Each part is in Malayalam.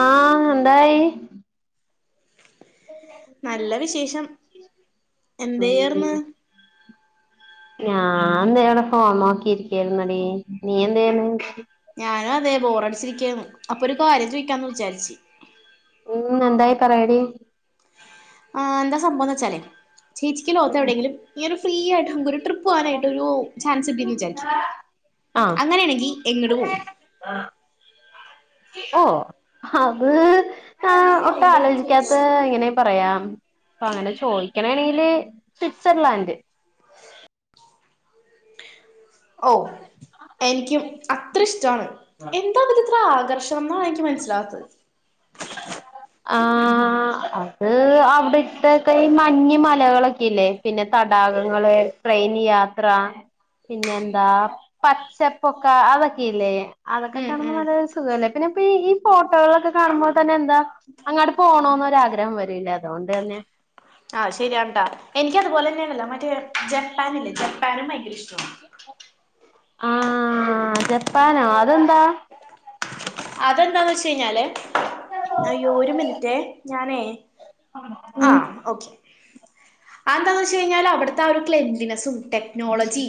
ആ എന്തായി? നല്ല വിശേഷം ഉം എന്തെയ്യാർന്ന്? ഞാൻതെ യിവിടെ ഫോൺ നോക്കിരിക്ക്യാർന്നു ടീ നീ എന്തയുന്നു? ഞാനും അതെ ബോറടിച്ചിരികാന്നു അപ്പൊ ഒരു കാര്യം ചോദിക്കാന്ന് വിചാരിച്ചു. ഉം എന്തായി പറയെടി. ആ എന്താ സംഭവംന്ന് വെച്ചാലേയ് ചേച്ചിക് ലോകത് ഉം എവിടെയങ്കിലും ഇങ്ങനെ ഒരു ഫ്രീ ആയിട്ട് നു ഒരു ട്രിപ്പ് പോകാനായിട്ട് ഒരു ചാൻസ് കിട്ടിന്ന് വിചാരിക് ആഹ് അങ്ങനെയാണെങ്കിൽ എങ്ങട് പോവും? ഓ അത് ആ ഒട്ടും ആലോചിക്കാത്ത എങ്ങനെ പറയാം അപ്പങ്ങനെ ചോദിക്കണാ ണെങ്കില് സ്വിറ്റ്സർലാന്റ്. ഓ എനിക്ക്യും.. അത്ര ഇഷ്ട്ടാണ് എന്താപ്പോ ഇതിത്ര ആകർഷണം ന്നാണ് ഇൻക്ക് മനസ്സിലാവാത്തത്. ആഹ് അ അത് അവിടത്തെ ഈ മഞ്ഞ മലകളൊക്കെ ഇല്ലേ പിന്നെ തടാകങ്ങള് ട്രെയിൻ യാത്ര പിന്നെന്താ പച്ചപ്പൊക്ക അതൊക്കെ ഇല്ലേ? അതൊക്കെ ഉം കാണുമ്പോ ഉം നല്ലൊരു സുഖല്ലേ പിന്നെ ഇപ്പോ ഈ ഫോട്ടോകളൊക്കെ കാണുമ്പോൾ തെന്നെ എന്താ അങ്ങട്ട് പോണം ആഗ്രഹം വരൂല്ല അതൊണ്ടെന്നേ ആഹ് ശെരിയാട്ടോ എ നിക്ക് അതുപോലെ തന്നെ ഇണ്ടല്ലോ മറ്റേ ജപ്പാനില്ലേ ജപ്പാനും ഭയങ്കര ഇഷ്ട്ടോണ്. ആഹ് ജപ്പാനോ അതെന്താ? അതെന്താന്ന് വെച്ചഴിഞ്ഞാല് അയ്യോ ഒരു മിനിറ്റെ ഞാനേ ആ ഉം ഓക്കെ അഹെന്താന്ന് വെച്ച് കഴിഞ്ഞാലെയ് അവടത്തെ ഒരു ക്ലെന്ലിനെസും ട്ടേ ക്നോളജി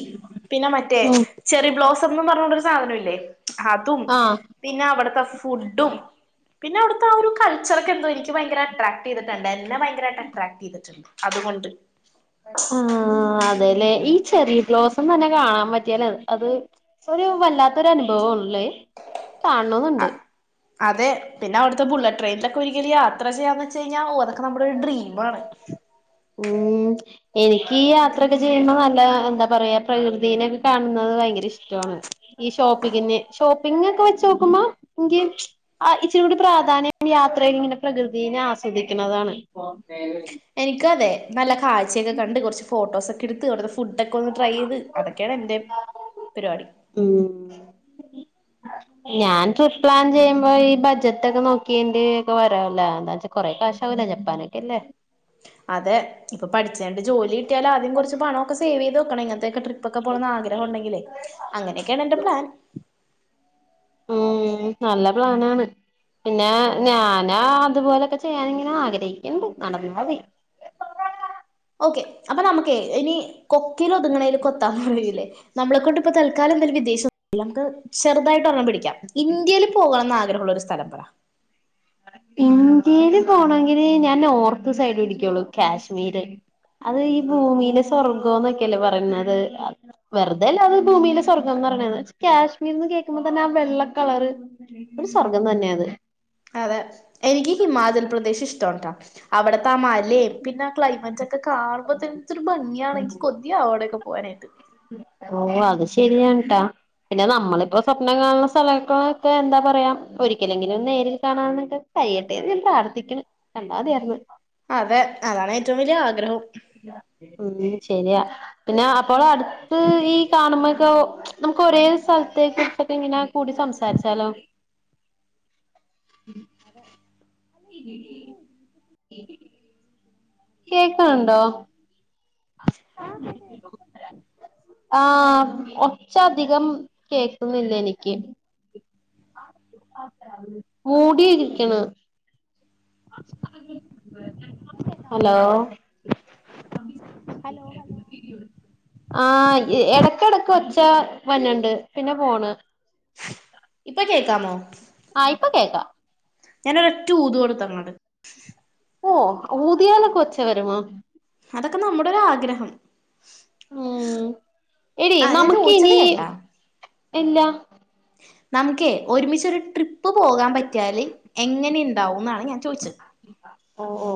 പിന്നെ മറ്റേ ഉം ചെറി ബ്ലോസംന്ന് പറഞ്ഞുണ്ടോരു സാധനോല്ലേ അതും ആഹ് പിന്നെ അവടത്തെ ഫുഡും പിന്നെ അവട് തവു കൾച്ചറൊക്കെ എന്തോ എനിക്ക് ഭയങ്കര അട്രാക്റ്റ് ചെയ്തിട്ടുണ്ട് എന്നെ ഭയങ്കരായിട്ട് അട്രാക്റ്റ് ചെയ്തിട്ടുണ്ട് അതുകൊണ്ട്. ആ അതെലേ ഈ ചെറി ബ്ലോസം തെ ന്നെ കാണാൻ പറ്റിയെല് അത് ഒരു വല്ലാത്തൊരു അനുഭവണലേ കാണണന്നുണ്ട്. അതെ പിന്നെ അവിടുത്തെ ബുള്ളറ്റ് ട്രെയിനിലൊക്കെ ഒരിക്കല് യാത്ര ചെയ്യാന്ന് വെച്ച് കഴിഞ്ഞാൽ ഓതൊക്കെ നമ്മടെ ഒരു ഡ്രീമാണ്. ഉം എനിക്ക് ഈ യാത്രയൊക്കെ ചെയ്യുമ്പോ നല്ല എന്താ പറയാ പ്രകൃതിനൊക്കെ കാണുന്നത് ഭയങ്കര ഇഷ്ട്ടോണ്. ഈ ഷോപ്പിങ്ങിന് ഷോപ്പിംങ് ഒക്കെ വെചോക്കുമ്പോ ഇൻക് ആ ഇച്ചിരി കൂടി പ്രാധാന്യം യാത്രയിൽ ഇങ്ങനെ പ്രകൃതിനെ ആസ്വദിക്ണതാണ്. എനിക്കതെ നല്ല കാഴ്ചയൊക്കെ കണ്ട് കുറച്ച് ഫോട്ടോസൊക്കെ എടുത്ത് അവിടുത്തെ ഫുഡൊക്കെ ഒന്ന് ട്രൈ ചെയ്ത് അതൊക്കെ ആണ് എന്റെ പെരുവാടി. ഉം [inaudible] ഞാൻ ട്രിപ്പ് പ്ലാൻ ചെയ്യ്മ്പോ ഈ ബജറ്റ് ഒക്കെ നോക്കിയേണ്ടി ഒക്കെ വരാലോ കൊറെ കാശാവൂല്ലേ ജപ്പാനൊക്കല്ലേ അതെ ഇപ്പ പഠിച്ചേണ്ട് ജോലിട്ടിയാൽ ആദ്യം കൊർച്ച് പണമൊക്കെ സേവെയ്ത് വെക്കണം. ഇ പിന്നൊക്കെ ട്രിപ്പൊക്കെ പോണന്ന് ആഗ്രഹം ഉണ്ടെങ്കിലെ അങ്ങനൊക്കെയാണ് എന്റെ പ്ലാൻ. ഉം നല്ല പ്ലാനാണ്. പിന്നെ ഞാനാ അതുപോലെയൊക്കെ ചെയ്യാന് ഇങ്ങനെ ആഗ്രഹിക്ക്ണ്ട് നടന്നാതി. ഓക്കെ അപ്പൊ നമുക്കെയ് ഇനി കൊക്കില് ഒതുങ്ണെല് കൊ പറില്ലേ നമ്മളെക്കൊണ്ട് ഇപ്പ തൽക്കാലം എന്തും വിദേശ നമുക്ക് ചെറുതായിട്ട് ഒരെണം പിടിക്കാം ഇന്ത്യയില് പോവാന്ന് ആഗ്രഹള്ള ഒരു സ്ഥലം പറ ഇന്ത്യൽ പോണങ്കില് ഞാൻ നോർത്ത് സൈഡ് പിടിക്കുള്ളു കാശ്മീര് അത് ഈ ഭൂമിലെ സ്വർഗ്ഗംന്നൊക്കെല്ലേ പറയ്ന്നത് വെറുതെല്ല അത് ഭൂമിയിലെ സ്വർഗംന്ന് പറഞ്ഞ കാശ്മീർന്ന് കേൾക്കുമ്പോ തന്നെ ആ വെള്ള കളറ് ഒരു സ്വർഗം തന്നെയ അത് അതെ എനിക്ക് ഹിമാചൽ പ്രദേശ് ഇഷ്ട്ടാ ട്ടൊ അവിടത്തെ ആ മലയും പിന്നെ ആ ക്ലൈമറ്റ് ഒക്കെ കാണുമ്പോത്തനൊരു ഭംഗിയാണെങ്കിൽ കൊതി അവിടെയൊക്കെ പോവാനായിട്ട് ഓ അത് ശരിയട്ടാ പിന്നെ നമ്മളിപ്പോ സ്വപ്നം കാണുന്ന സ്ഥലങ്ങളൾക്കെ എന്താ പറയാ ഒരിക്കലെങ്കിലും നേരിൽ കാണാ എന്ന്ണ്ട് കയ്യട്ടെ പ്രാർത്തിഥിക്കണ് കണ്ടാമതിയാര്ന്ന് അതെ അതാണ് ഏറ്റവും വലിയ ആഗ്രഹം ഉം ശരിയാ പിന്നെ അപ്പോള് അടുത്ത് ഈ കാണുമ്പോക്കെ നമുക്ക് ഒരേ സ്ഥലത്തെ കുറിച്ചൊക്കെ ഇങ്ങനെ കൂടി സംസാരിച്ചാലോ [inaudible] കേക്കാണണ്ടോ [inaudible] ആ ഒച്ചധികം കേക്കുന്നില്ല എനിക്ക് [inaudible] മൂടിയിരിക്കണ ഹലോ ആ ഇടക്കടക്ക് ഒച്ചാ വന്നണ്ട് പിന്നെ പോണ് ഇപ്പൊ കേക്കാമോ ആയിപ്പൊ കേൾക്കാം ഞാനൊരറ്റ ഊത് കൊടുത്ത അങ്ങട് ഓ ഊതിയാലൊക്കെ ഒച്ച വരുമോ അതൊക്കെ നമ്മുടെ ഒരു ആഗ്രഹം ഉം എടി ആ ഞാൻ നമുക്ക് ചോദിച്ചത് ഇനി കേട്ടാ എല്ലാ നമുക്കേ ഒരുമിച്ചരു ട്രിപ്പ് പോകാൻ പറ്റിയാല് എങ്ങനെുണ്ടാവും ന്നാണ് ഞാൻ ചോയിച്ചത് ഓ ഓ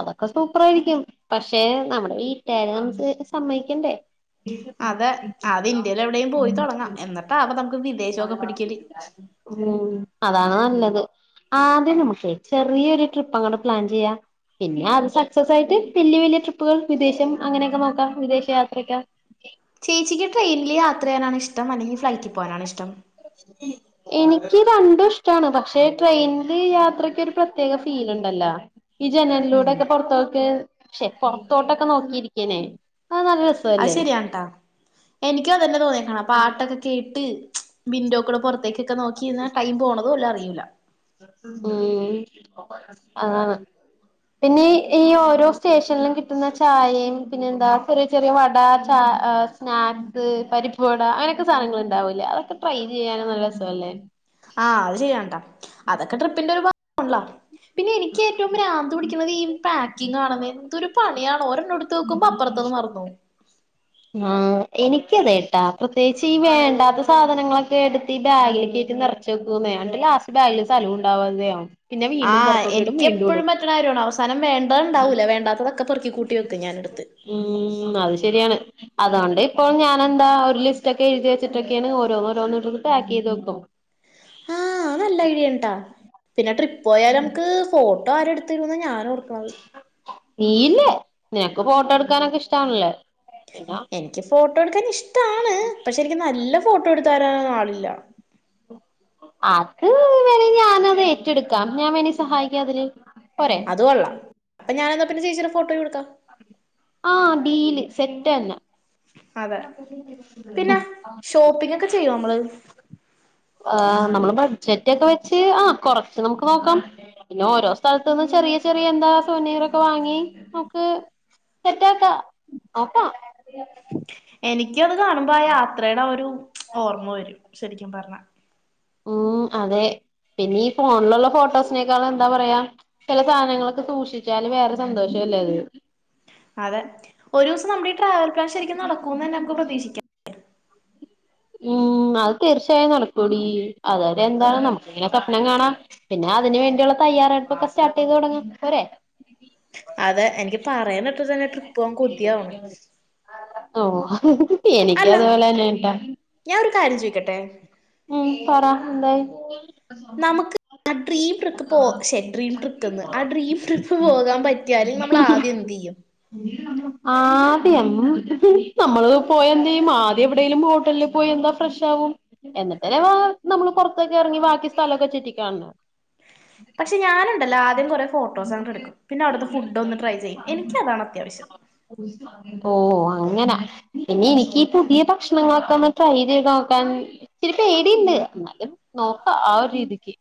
അതൊക്കെ സൂപ്പറ ആയിരിക്കും പക്ഷെ നമ്മുടെ വീട്ടാര് നമ്മക്ക് സമ്മതിക്കണ്ടേ അതെ ആദ്യം ഇന്ത്യയില് എവിടെലും പോയി തുടങ്ങാം എന്നിട്ടാ അപ്പൊ നമുക്ക് വിദേശക്കെ പിടിക്കല് ഉം അതാണ് നല്ലത് ആദ്യം നമ്മക്കെ ചെറിയൊരു ട്രിപ്പ് അങ്ങട്ട് പ്ലാൻ ചെയ്യ പിന്നെ അ സക്സസ് ആയിട്ട് വല്യ വലിയ ട്രിപ്പുകൾ വിദേശം അങ്ങനെയൊക്കെ നോക്കാം വിദേശ യാത്രക്കെ ചേച്ചിക്ക് ട്രെയിനിൽ യാത്രയ്യാനാണ് ഇഷ്ടം അല്ലെങ്കി ഫ്ലൈറ്റിൽ പോവാനാണോ ഇഷ്ടം [inaudible] എനിക്ക് രണ്ടും ഇഷ്ട്ടാണ് പക്ഷെ ട്രെയിനില് യാത്രക്ക് ഒരു പ്രത്യേക ഫീൽ ഉണ്ടല്ലോ ഈ ഉം ജനലിലൂടൊക്കെ പൊറത്തോക്ക് ശ്ശെ! പൊറത്തോട്ടൊക്കെ നോക്കിയിരിക്കനേ അ നല്ല രസ അയ് ശെരിയാണ് ട്ടാ. എനിക്കും അത് തന്നെ തോന്നിയെക്ണെ, പാട്ടൊക്കെ കേട്ട്, [unintelligible] വിൻഡോകൂടെ പൊറ ത്തേക്കൊക്കെ നോക്കിന്നാ ടൈം പോണതോലും അറിയൂലാ. ഉം, ആഹ്! പിന്നെയീ ഈ ഓരോ സ്റ്റേഷൻലും കിട്ട്ന്ന ചായയും പിന്നെന്താ [unintelligible] ചെറിയ വടാ ചാ സ്നാക്സ് പരിപ്പുവട അങ്ങനെയൊക്കെ സാധനങ്ങളിണ്ടാവൂലേ അതൊക്കെ ട്രൈ ചെയ്യാനും നല്ല രസവല്ലേ. ആഹ്, അത് ശെരിയാണ് ട്ടാ, അതൊക്കെ ട്രിപ്പിന്റെ ഒരു ഭാ ണ്ള്ളാ പിന്നെ എനിയ്ക്ക് ഏറ്റവും ബ്രാന്ത് പിടിക്കുന്നത് ഈ പാക്കിംഗാണെന്നേ. എന്തൊരു പണിയാണോരോ [unintelligible] നോക്കുമ്പോ അപ്പൊറത്തത് മറന്നോവും. ആഹ്, എനിയ്ക്കതേട്ടാ, പ്രത്യേകിച്ച് ഈ വേണ്ടാത്ത സാധനങ്ങളൊക്കെ എടുത്തീ ബാഗിലീക്കി [unintelligible] നെർ [unintelligible] ക്കുന്നേ അണ്ട് ലാസ്റ്റ് ബാഗില് സലവും ണ്ടാവാതെയാവും. ആ എനിയ്ക്ക് എപ്പഴും പറ്റ്ണാര്യോണ്. അവസാനം വേണ്ട ണ്ടാവൂല, വേണ്ടത്തതൊക്കെ പെറ്ക്കികൂട്ടി വയ്ക്കും ഞാനെട്ത്ത്. ഉം, അത് ശെര്യാണ്. അതുകൊണ്ടിപ്പോൾ ഞാനെന്താ ഒരു ലിസ്റ്റ് ഒക്കെ എഴുതിവെച്ചിട്ടൊക്കെയാണ് ഓരോന്ന് ഓരോന്നൊള്ളത് പാക്ക് ചെയ്ത് വെക്കും. ആഹ് അത് നല്ല ഐഡിയാണ്‌ട്ടാ പിന്നെ ട്രിപ്പോയാലമുക്ക് ഫോട്ടോ ആരെടുത്തിരുന്ന ഞാനോർക്കണത് നീ ഇല്ലേ നിനക്ക് ഫോട്ടോ എടുക്കാനൊക്കെ ഇഷ്ടാളല്ലേ പിന്നെ എനിക്ക് ഫോട്ടോയെടുക്കാൻ ഇഷ്ടാണ് പക്ഷെ എനിക്ക് നല്ല ഫോട്ടോ എടുത്തരാൻ ആളില്ല. അത് വേണേൽ ഞാനത് ഏറ്റെടുക്കാം. ഞാൻ വേണേ സഹായിക്കാം അതില് പോരേ അതു കൊള്ളാം അപ്പൊ ഞാനെന്നാപിന്നെ ചേച്ചിടെ ഫോട്ടോയും എടുക്കാം ആഹ് ഡീല് സെറ്റന്നെ അതെ പിന്നെ ഷോപ്പിംഗങ്ങൊക്കെ ചെയ്യോമ്മള്. ആ നമ്മള് ബഡ്ജറ്റൊക്കെ വെച്ച് ആ കൊറച്ച് നമുക്ക് നോക്കാം. പിന്നെ ഓരോ സ്ഥലത്തൂന്ന് ചെറിയ ചെറിയ എന്താ സൊനേറൊക്കെ വാങ്ങി നമുക്ക് സെറ്റ് ആക്ക നോക്കാ എനിക്കത് കാണുമ്പോ ആ യാത്രയുടെ ഒരു ഓർമ്മ വരും ശരിക്കും പറഞ്ഞാ. ഉം അതെ പിന്നെ ഈ ഫോണിലുള്ള ഫോട്ടോസിനേക്കാളും എന്താ പറയാ ചില സാധനങ്ങളൊക്കെ സൂക്ഷിച്ചാല് വേറെ സന്തോഷല്ലേയത് അതെ ഒരൂസം നമ്മടെയീ ട്രാവൽ പ്ലാൻ ശരിക്കും നടക്കോന്ന് തന്നെ നമുക്ക് പ്രതീക്ഷിക്കാം. ഉം അത് തീർച്ചയായും നടക്കൂടി അതുവരെ എന്താണ് നമുക്കിങ്ങനെ സ്വപ്നം കാണാം പിന്നെ അതിന് വേണ്ടിയുള്ള തയ്യാറെടുപ്പൊക്കെ സ്റ്റാർട്ട് ചെയ്ത് തുടങ്ങാം പോരേ അതെ എനിക്ക് പറയനട്ട് തന്നെ ട്രിപ്പ് പോകാൻ കൊതിയാവണ്. ഓ എനിക്ക് അതുപോലെ തന്നെ ആണട്ടാ. ഞായൊരു കാര്യം ചോയ്ക്കട്ടെ ഉം പറ എന്തായി നമ്മുക്ക് ആഹ് ഡ്രീം ട്രിപ്പ് പ്പോ ശ്ശേ ഡ്രീം ട്രിപ്പ്ന്ന് ആഹ് ഡ്രീം ട്രിപ്പ് പോകാൻ പറ്റിയാല് നമ്മൾ ആദ്യം എന്തിയും ആദ്യം നമ്മള് പോയന്തെയ്യും ആദ്യം എവിടേലും ഹോട്ടലില് പോയെന്താ ഫ്രഷാക്കും എന്നിട്ട് രമാ നമ്മള് പുറത്തൊക്കെ ഇറങ്ങി ബാക്കി സ്ഥല ഒക്കെ ചുറ്റിക്കാണും. പക്ഷെ ഞാനുണ്ടല്ലോ ആദ്യം കുറെ ഫോട്ടോസ് അങ്ങോട്ടെടുക്കും പിന്നെ അവിടുത്തെ ഫുഡ് ഒന്ന് ട്രൈ ചെയ്യും. എനിക്കതാണ് അത്യാവശ്യം ഓ അങ്ങനാ പിന്നെ എനിക്കീ പുതിയ ഭക്ഷണങ്ങളൊക്കെ ഒന്ന് ട്രൈ ചെയ്ത് നോക്കാൻ ഇച്ചിരി പേടിയിണ്ട് അന്നാലും നോക്കാ ആ ഒരീതിക്ക്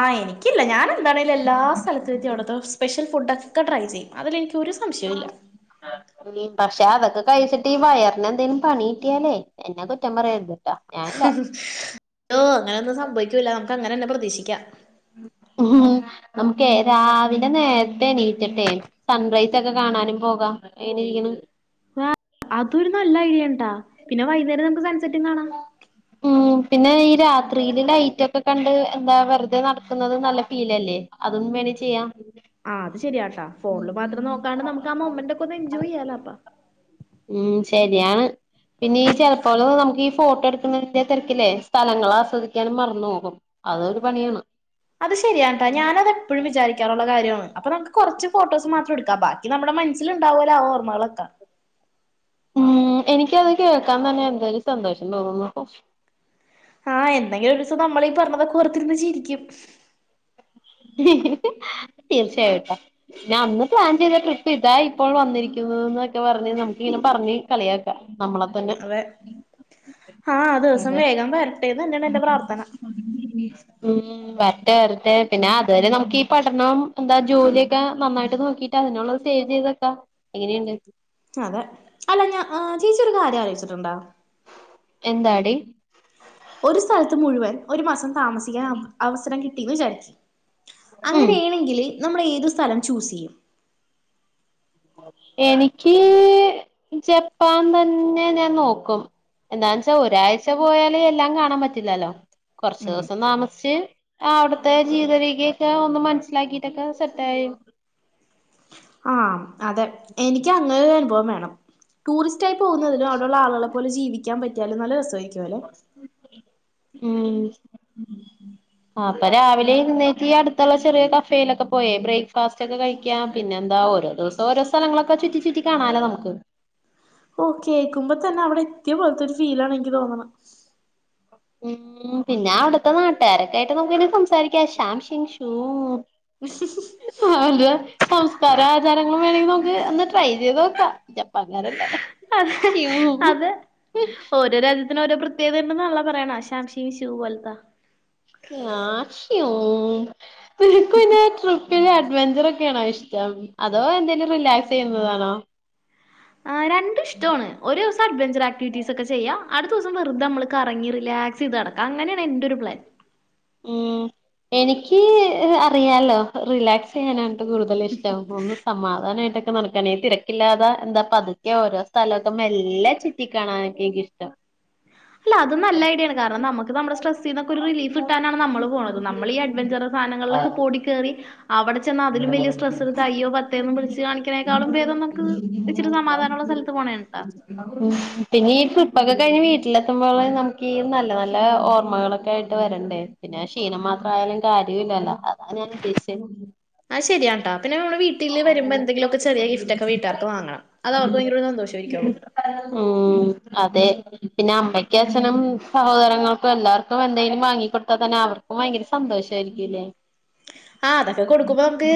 ആഹ് എനിക്കില്ല ഞാനെന്താണെലും എല്ലാ സ്ഥ. ലത്തുവെത്തി അവിടത്തെ കൊറച്ച് സ്പെഷ്യൽ ഫുഡൊക്കെ ട്രൈചെയ്യും അതിലെനിക്കൊരു സ സംശയവില്ല ഉം പക്ഷെ അതൊക്കെ കയിച്ചിട്ട് ഈ വയറിനെന്തേലും പണി കിട്ടിയാലേ എന്നാകുറ്റം പറയരുതൂട്ടാ അങ്ങനെയൊന്നും സംഭവിക്കൂല്ല നമുക്ക് അങ്ങനെതന്നെ പ്രതീക്ഷിക്കാം ഉം നമുക്കേ രാവിലെ നേരത്തെണീറ്റിട്ടേ. സൺറൈസൊക്കെ കാണാനും പോകാം എങ്ങനെയിരിക്കണു ആ അതൊരു നല്ല ഐഡയാണിട്ടാ പിന്നെ വൈകുന്നേരം നമുക്ക് സൺസെറ്റും കാണാം. ഉം പിന്നെ ഈ രാത്രിയില് ലൈറ്റ് ഒക്കെ കണ്ട് എന്താ വെറുതെ നട ന്നത് നല്ല ഫീലല്ലേ അതൊന്നും വേണെ ചെയ്യാം ആ അത് ശരിയാട്ട ഫോണില് മാത്രം നോക്കാണ്ട് നമുക്ക് ആ മൊമന്റ ഒക്കെ ഒന്ന് എൻജോയ് ചെയ്യാലാ അപ്പാ. ഉം ശരിയാണ്. പിന്നെ ഈ ചെലപ്പോൾ നമുക്ക് ഈ ഫോട്ടോ എടുക്കുന്നതിന്റെ തെരക്കില്ലേ സ്ഥലങ്ങൾ ആസ്വദിക്കാനും മറന്നോകും. അതൊരു പണിയാണ് അത് ശരിയാണിട്ടാ ഞാനതെപ്പഴും വിചാരിക്കാറുള്ള കാര്യയാണ് അപ്പൊ നമുക്ക് കൊറച്ച് ഫോട്ടോസുമാത്രം എടുക്കാം ബാ ഇത് നമ്മുടെ മനസ്സിലിണ്ടാവൂലാ ആ ഓർമ്മകളൊക്കെ ഉം എനിക്കത് കേൾക്കാൻ തന്നെ എന്തൊരു സന്തോഷം തോന്നുന്നു. ആ എന്നെങ്കിലൊരു ദിവസം നമ്മൾ ഈ പറഞ്ഞതക്കെ ഓർത്തിരുന്ന് ചിരിക്കും. തീർച്ചയായിട്ടും ഞാൻ അന്ന് പ്ലാൻ ചെയ്ത ട്രിപ്പ് ഇതാ ഇപ്പോൾ വന്നിരിക്കുന്നത് എന്നൊക്കെ പറഞ്ഞഞ് നമുക്ക് ഇങ്ങനെ പറഞ്ഞഞ്. കളിയാക്ക നമ്മളെ തന്നെ അതെ ആ അതെ. ആ വരട്ടന്ന് ന്നെ. മ്മ് [unintelligible] വരട്ടെ വരട്ടെ പിന്നെ അതുവരെ നമുക്ക് ഈ പഠനം എന്താ ജോലിയൊക്കെ നന്നായിട്ട് നോക്കി അതിനുള്ളത് സേവ് ചെയ്തക്കാ എങ്ങനെയുണ്ട്. അതെ അല്ല ഞാൻ ചേച്ചി ഒരു കാര്യം ആലോച്ചിട്ടുണ്ടോ? എന്താടി. ഒരു സ്ഥലത്ത് മുഴുവൻ ഒരു മാസം താമസിക്കാൻ അവസരം കിട്ടിന്ന് വിചാരിക്കി. ഉം അങ്ങനെയണെങ്കിൽ നമ്മൾ ഏതു സ്ഥലം ചൂസ് ചെയ്യും. എനിക്ക് ജപ്പാൻ തന്നെ ഞാൻ നോക്കും. എന്താന്ന്ച്ചാൽ ഒരാഴ്ച പോയാല് എല്ലാം കാണാൻ പറ്റില്ലല്ലോ കൊറച്ച ഉം ദിവസം താമസിച് ആ അവിടുത്തെ ജീവിതരേഖയൊക്കെ ഒന്ന് മനസ്സിലാക്കിയിട്ടൊക്കെ സെറ്റായി ആഹ് അതെ എനിക്ക് അങ്ങനെ ഒരു അനുഭവം വേണം ടൂറിസ്റ്റ് റ്റായി പോവുന്നതിനും അവിടെള്ള ആളെ പോല ജീവിക്കാൻ പറ്റിയാലും നല്ല രസമായിരുകൊലെ. ഉം ആഹ് അപ്പൊ രാവിലെ എഴുന്നേറ്റു അടുത്തുള്ള ചെറിയ കഫേയിലൊക്കെ പോയേ ബ്രേക്ക്ഫാസ്റ്റ് ഒക്കെ കഴിക്ക ക്ക്യ പിന്നെ എന്താ ഓരോ ദിവസം ഓരോ സ്ഥലങ്ങളൊക്കെ ചുറ്റി ചുറ്റി കാണാലോ നമുക്ക്. ഓകേൾക്കുമ്പോ തന്നെ അവിടെ എത്തിയ പോലെത്തെ ഒരു ഫീല ആണ് എനിക്ക് തോന്നുന്നത്. ഉം പിന്നെ അവിടുത്തെ നാട്ടുകാരൊക്കെ ആയിട്ട് നമുക്ക സംസാരിക്കാംശ്യം ഷിൻ ഷൂ ഉം ഉം ആഹ് അതെ... സംസ്കാര ആചാരങ്ങളും വേണമെങ്കിൽ നമുക്ക് അന്ന് ട്രൈ ചെയ്ത് നോക്കാം ജപ്പൻകാരല്ലേ ആഹ് അതെ അതെ ഓ. ഓരോ രാജ്യത്തിന് ഓരോ പ്രത്യേകത ഉണ്ടന്നുള്ള പറയ ആ ശാംഷി ഷു പോലത്താ. ആക്ഷോ കൊനട്ട. [unintelligible] അഡ്വഞ്ചർ ഒക്കെയാണോ ഇഷ്ടം? അതോ എന്തെങ്കിലും റിലാക്സ് ചെയ്യുന്നതാണോ? ആഹ് രണ്ടും ഇഷ്ടമാണ്.. ഒരു ദിവസം അഡ്വഞ്ചർ ആക്ടിവിറ്റീസ്ഒ ക്കെ ചെയ്യഅടുത്ത ദിവസം വെറുതെ നമ്മൾ കറങ്ങിറിലാക്സ് ചെയത്ത നടക്കാം അങ്ങനെയാണ് എന്റെ ഒരു പ്ലാൻ. ഉം എനിക്ക് അറിയാലോ റിലാക്സ് ചെയ്യാന കൂടുതല ഇഷ്ടം. സമാധാനമായിട്ടൊക്കെ നടക്കാൻ ഈ തിരക്കില്ലാതെ എന്താ പതുക്കെ ഓരോ സ്ഥലമൊക്കെ മെല്ലെ ചുറ്റി കാണാൻ എനിക്കിഷ്ടം അല്ല അത് നല്ല ഐഡിയാണ് കാരണം നമുക്ക് നമ്മ സ്ട്രെസ് ന്ന് ഒരു റിലീഫ് കിട്ടാൻ നമ്മൾ പോണത് നമ്മൾ ഈ അഡ്വഞ്ചർ സാധനങ്ങളിൽ ഓടി കേറി അവിടെ അതിലും വലിയ സ്ട്രെസ് എടുത്തു അയ്യോ പത്തേന്ന് വിളിച്ച കാണിക്ക്നേക്കാളും ഭേദം നമുക്കിത് ഇച്ചിരി സമാധാനമുള്ള സ്ഥലത്ത് പോണേണ ട്ടാ ഉം പിന്നെ ഈ ട്രിപ്പൊക്കെ കഴിഞ്ഞ് വീട്ടിലെത്തുമ്പോൾ നമുക്ക് ഈ നല്ല നല്ല ഓർമ്മകളൊക്കെ ആയി [unintelligible] വരണ്ടേ? പിന്നെ ക്ഷീണം മാത്രായാൽ കാര്യല്ലല്ലോ? അതാ ഞാൻ ഉദ്ദേശിച്ചേ!. അയ് ശരിയാണ് ട്ടാ. പിന്നെ മ്മള് വീ ട്ടില് വരുമ്പോ, എന്തെങ്കിലൊക്കെ ചെറിയ ഗിഫ്റ്റൊക്കെ വീട്ടാർക്ക് വാങ്ങണം. അത് അവർക്ക് ഭയങ്കരൊരു സന്തോഷമായിരിക്കൊള്ളൂ. ഉം അതെ പിന്നെ അമ്മയ്ക്ക അച്ഛനും സഹോദരങ്ങൾക്കും എല്ലാവർക്കും എന്തെങ്കിലും വാങ്ങിക്കൊടുത്താൽ തന്നെ അവർ അപ്പ ഭയങ്കര സന്തോഷ ആയിരിക്കുലെ. ആഹ് അതൊക്കെ കൊടുക്കുമ്പോ നമുക്ക്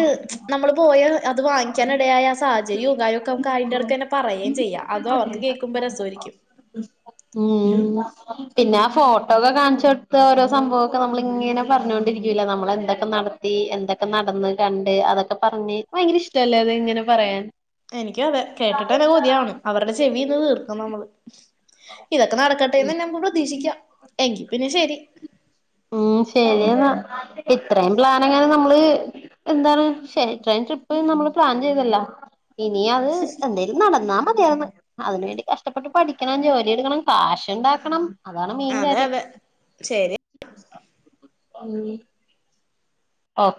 നമ്മള്. പോയ അത് വാങ്ങിക്കാന ഇടയായ സാഹര്യവും കാര്യവുമൊക്കെ അതിനിടക്ക് നമുക്ക് പറയുകയും ചെയ്യാ അത്‌ അവർക്ക് കേൾക്കുമ്പോൾ രസവാരിക്കും. അ ഉം പിന്നെ ആ ഫോട്ടോ ഒക്കെ കാണിച്ചു കൊടുത്ത ഓരോ സംഭവംക്കെ നമ്മളിങ്ങനെ പറഞ്ഞൊണ്ടിരിക്കൂല. നമ്മൾ എന്തൊക്കെ നടത്തി, എന്തൊക്കെ നടന്ന്, കണ്ട്, അതൊക്കെ പറഞ്ഞേ, ഭയങ്കര ഇഷ്ടല്ലേ? അത് ഇങ്ങനെ പറയാൻ. എനിക്കു അതെ. കേട്ടിട്ടന്നെ കൊതിയാവ്ണ്. അവരുടെ ചെവി യിന്ന് തീർക്കും നമ്മള്. ഇതൊക്കെ നടക്കട്ടെന്നെന്നെ നമ്മക്ക് പ്രതീക്ഷിക്കാം. എങ്കി പിന്നെ, ശെരി. ഉം, ശരിയെന്നാ. ഇത്രയും പ്ലാൻ എങ്ങനെ നമ്മള് എന്താണ് ഷേ ട്രൈൻ ട്രിപ്പ് നമ്മള് പ്ലാൻ ചെയ്തല്ല. ഇനിയത്, എന്തേലും നടന്നാ മതിയായ്ന്നു. അതിനുവേണ്ടി കഷ്ടപ്പെട്ട് പഠിക്കണം, ജോലിയെടുക്കണം, കാശ്ണ്ടാക്കണം. അതെ, അതെ. ശരി [unintelligible] ഉം